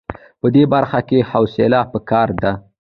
په دې برخه کې حوصله په کار ده.